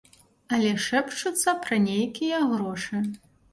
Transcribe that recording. Але шэпчуцца пра нейкія грошы.